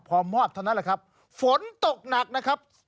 พอมอบเท่านั้นแหละครับฝนตกหนักนะครับ